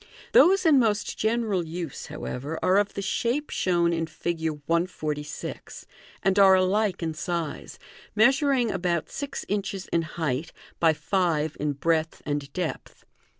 Those in most general use, however, are of the shape shown in Fig. 146, and are alike in size, measuring about six inches in height, by five in breadth and depth.